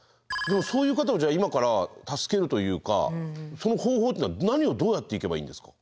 そういう方をじゃあ今から助けるというかその方法っていうのは何をどうやっていけばいいんですか？